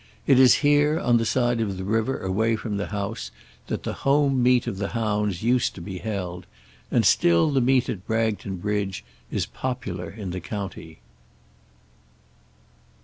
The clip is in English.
It is here, on the side of the river away from the house, that the home meet of the hounds used to be held; and still the meet at Bragton Bridge is popular in the county.